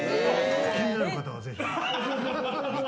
気になる方はぜひ。